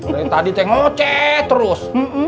dari tadi ceng moceh terus